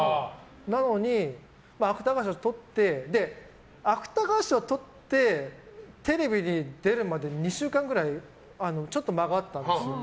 なのに、芥川賞とって芥川賞をとってテレビに出るまで２週間くらいちょっと間があったんですよ。